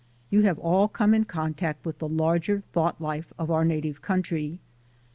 You have all come in contact with the larger thought life of our native country.